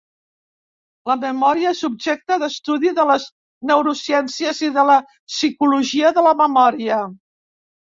La memòria és objecte d'estudi de les neurociències i de la psicologia de la memòria.